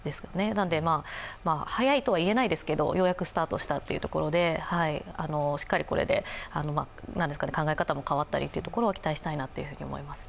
なので早いとはいえないですけどようやくスタートしたというところでしっかりこれで考え方も変わったりというのは期待したいと思います。